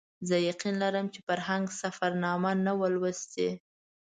زه یقین لرم چې فرهنګ سفرنامه نه وه لوستې.